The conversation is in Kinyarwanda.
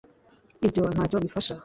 ibyo ntacyo bifasha